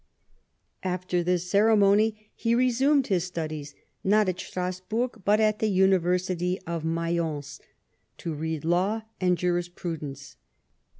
After this ceremony he resumed his studies, not at Strasburg, but at the University of Mayence, to read law and jurisr prudence.